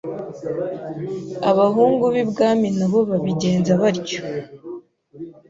Abahungu b'ibwami na bo babigenza batyo.